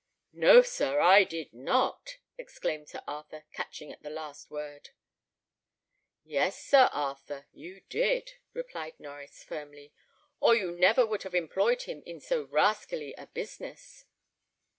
"No, sir, I did not," exclaimed Sir Arthur, catching at the last word. "Yes, Sir Arthur, you did," replied Norries, firmly; "or you never would have employed him in so rascally a business."